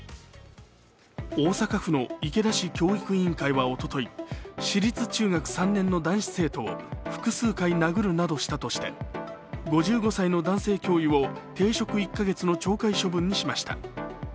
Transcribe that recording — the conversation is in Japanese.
大阪府の池田市教育委員会はおととい市立中学３年の男子生徒を複数回殴るなどしたとして５５歳の男性教諭を停職１か月の懲戒処分にしました。